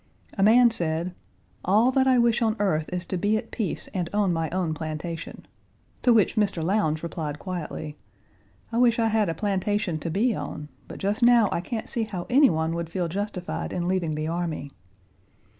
A man said, "All that I wish on earth is to be at peace and on my own plantation," to which Mr. Lowndes replied quietly, "I Page 113 wish I had a plantation to be on, but just now I can't see how any one would feel justified in leaving the army."